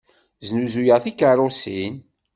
Snuzuyeɣ tikeṛṛusin.